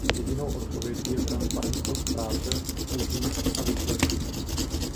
Jedinou odpovědí je transparentnost práce, účinnost a výsledky.